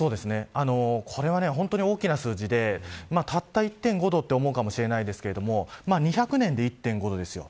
これは本当に大きな数字でたった１．５度だと思うかもしれないですが２００年で１．５度ですよ。